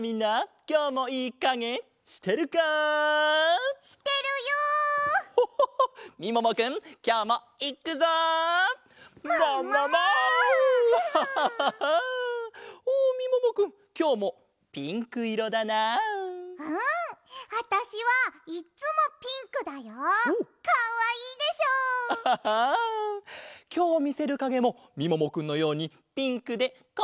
きょうみせるかげもみももくんのようにピンクでかわいいんだぞ。